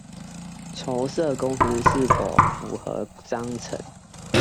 籌設公司是否符合章程